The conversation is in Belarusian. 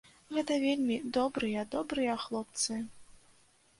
Гэта вельмі добрыя, добрыя хлопцы.